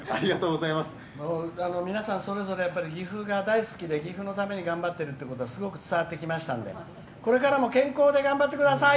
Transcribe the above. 皆さん、それぞれ岐阜が大好きで岐阜のために頑張ってるということはすごく伝わってきましたのでこれからも健康で頑張ってください。